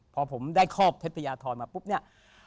พอผมได้คอกเพชรพยาธรมาปุ๊บเนี่ย